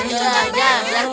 dia tidak tahu apa itu